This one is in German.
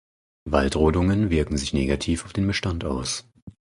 Waldrodungen wirken sich negativ auf den Bestand aus.